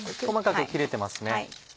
細かく切れてますね。